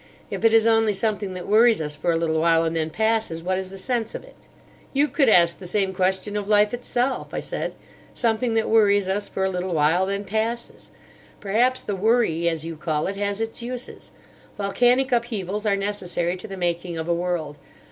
If it is only something that worries us for a little while and then passes, what is the sense of it?" "You could ask the same question of Life itself," I said; "'something that worries us for a little while, then passes.' Perhaps the 'worry,' as you call it, has its uses. Volcanic upheavals are necessary to the making of a world.